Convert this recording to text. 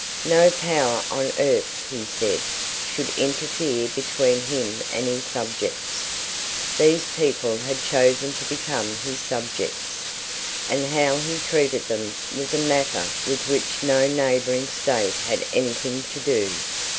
No power on earth, he said, should interfere between him and his subjects. These people had chosen to become his subjects; and how he treated them was a matter with which no neighbouring state had anything to do.